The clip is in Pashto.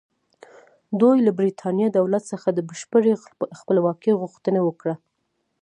دوی له برېټانیا دولت څخه د بشپړې خپلواکۍ غوښتنه وکړه.